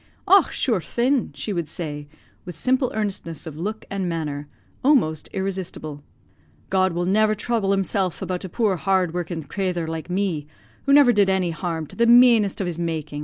"Och, sure thin," she would say, with simple earnestness of look and manner, almost irresistible. "God will never throuble Himsel' about a poor, hard working crathur like me, who never did any harm to the manest of His makin'."